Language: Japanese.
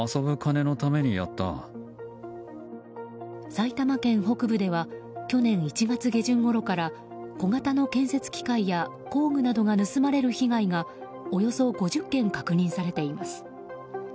埼玉県北部では去年１月下旬ごろから小型の建設機械や工具などが盗まれる被害がおよそ５０件確認されています。